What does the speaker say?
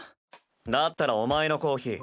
だったらお前のコーヒー